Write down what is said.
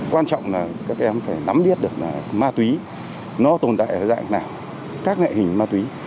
quan trọng là các em phải nắm biết được là ma túy nó tồn tại ở dạng nào các loại hình ma túy